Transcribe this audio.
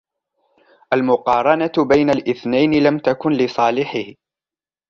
المقارنة بين الإثنَينِ لم تكنْ لصالحِهِ.